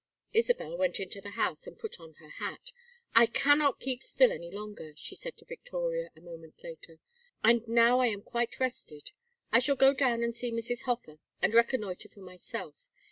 Isabel went into the house and put on her hat. "I cannot keep still any longer," she said to Victoria, a moment later. "And now I am quite rested. I shall go down and see Mrs. Hofer, and reconnoitre for myself.